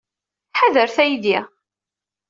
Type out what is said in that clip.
Ḥadret aydi.